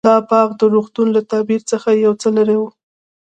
دا باغ د روغتون له تعمير څخه يو څه لرې و.